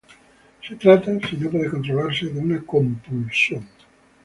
Se trata, si no puede controlarse, de una compulsión.